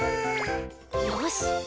よし。